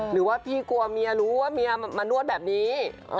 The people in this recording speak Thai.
หรือว่าพี่กลัวเมียรู้ว่าเมียมานวดแบบนี้